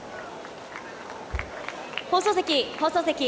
放送席、放送席。